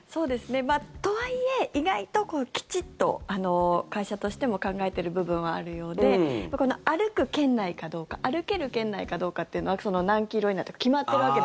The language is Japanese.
とはいえ、意外ときちんと会社としても考えてる部分はあるようで歩く圏内かどうか歩ける圏内かどうかというのは何キロ以内とかそうか、通勤手当。